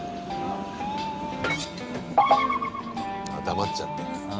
黙っちゃった。